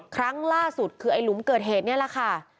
ครั้งล่าสุดคือไอ้หลุมเกิดเหตุนี่แหละค่ะ